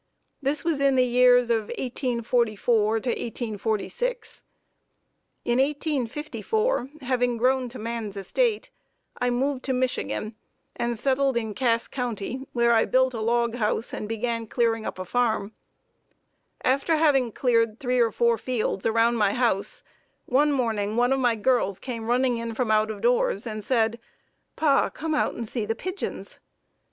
This was in the years of 1844 to 1846. In 1854, having grown to man's estate, I moved to Michigan and settled in Cass County, where I built a log house and began clearing up a farm. After having cleared three or four fields around my house, one morning one of my girls came running in from out of doors and said: "Pa, come out and see the pigeons."